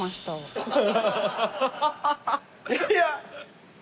いや。